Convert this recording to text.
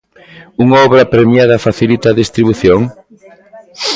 Unha obra premiada facilita a distribución?